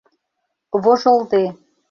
— Вожылде...